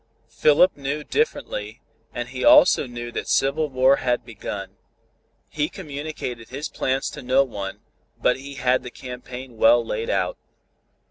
Philip knew differently, and he also knew that civil war had begun. He communicated his plans to no one, but he had the campaign well laid out.